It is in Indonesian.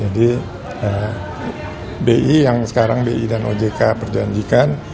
jadi bi yang sekarang bi dan ojk perjanjikan